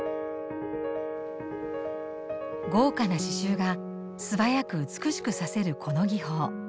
豪華な刺しゅうが素早く美しく刺せるこの技法。